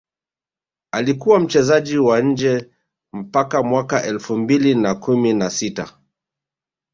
alikuwa mchezaji wa nje mpaka Mwaka elfu mbili na kumi na sita